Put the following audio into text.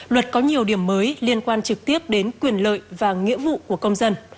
luật có nhiều điểm mới liên quan trực tiếp đến quyền lợi và nghĩa vụ của công dân